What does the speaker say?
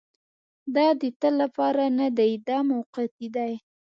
دا د تل لپاره نه دی دا موقتي دی.